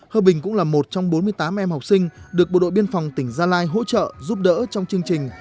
hơ bình cũng là một trong bốn mươi tám em học sinh được bộ đội biên phòng tỉnh gia lai hỗ trợ giúp đỡ trong chương trình